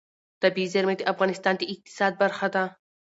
طبیعي زیرمې د افغانستان د اقتصاد برخه ده.